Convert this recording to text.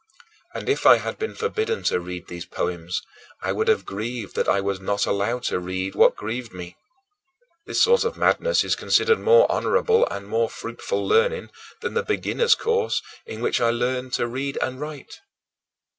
And, if I had been forbidden to read these poems, I would have grieved that I was not allowed to read what grieved me. This sort of madness is considered more honorable and more fruitful learning than the beginner's course in which I learned to read and write.